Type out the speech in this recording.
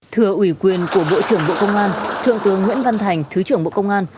thừa ủy quyền của bộ trưởng bộ công an thượng tướng nguyễn văn thành thứ trưởng bộ công an